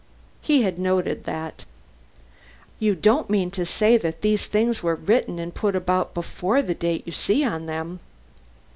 He had noted that. "You don't mean to say that these things were written and put about before the date you see on them."